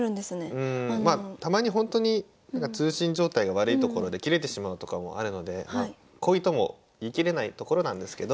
うんまあたまにほんとに通信状態が悪い所で切れてしまうとかもあるので故意とも言い切れないところなんですけど。